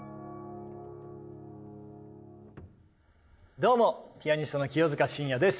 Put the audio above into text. どうもピアニストの清塚信也です。